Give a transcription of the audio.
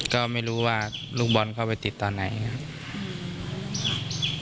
ก็ไม่รู้ว่าลูกบอลเข้าไปติดตอนไหนครับ